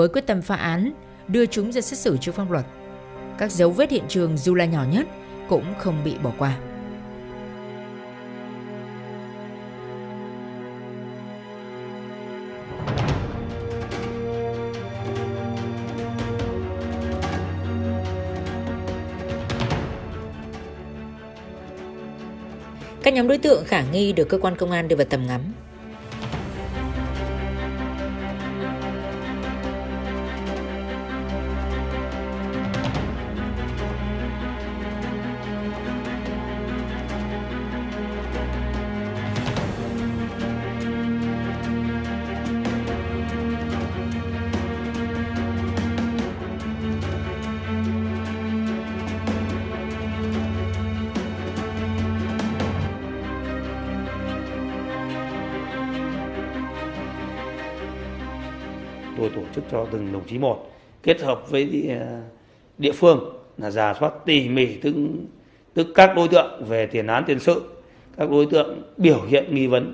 các nhóm đối tượng khả nghi được cơ quan công an đưa vào tầm ngắm